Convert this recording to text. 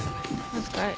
お疲れ。